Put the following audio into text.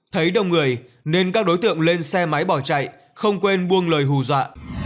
thấy đông người nên các đối tượng lên xe máy bỏ chạy không quên buông lời hù dọa